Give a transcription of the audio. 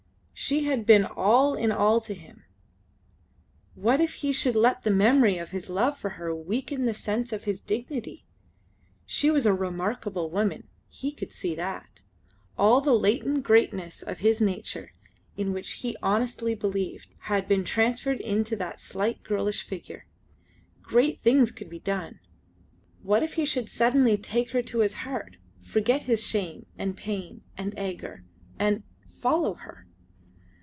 She had been all in all to him. What if he should let the memory of his love for her weaken the sense of his dignity? She was a remarkable woman; he could see that; all the latent greatness of his nature in which he honestly believed had been transfused into that slight, girlish figure. Great things could be done! What if he should suddenly take her to his heart, forget his shame, and pain, and anger, and follow her!